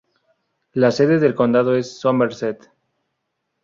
La sede del condado es Somerset.